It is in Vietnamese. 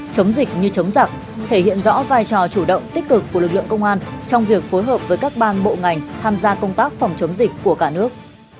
chống dịch như chống giặc thể hiện rõ vai trò chủ động tích cực của lực lượng công an trong việc phối hợp với các ban bộ ngành tham gia công tác phòng chống dịch của cả nước